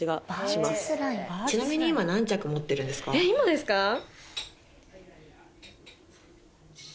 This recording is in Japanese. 今ですか？